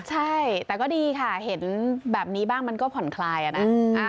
ใช่แต่ก็ดีค่ะเห็นแบบนี้บ้างมันก็ผ่อนคลายอะนะ